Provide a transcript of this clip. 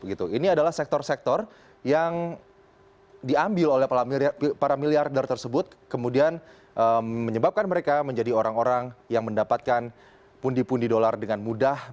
ini adalah sektor sektor yang diambil oleh para miliarder tersebut kemudian menyebabkan mereka menjadi orang orang yang mendapatkan pundi pundi dolar dengan mudah